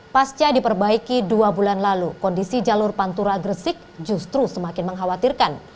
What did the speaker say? pasca diperbaiki dua bulan lalu kondisi jalur pantura gresik justru semakin mengkhawatirkan